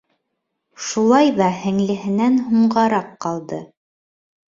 Шулай ҙа һеңлеһенән һуңғараҡ ҡалды.